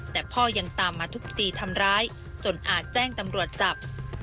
แต่พ่อยังตามมาทุบตีทำร้ายจนอาจแจ้งตำรวจจับ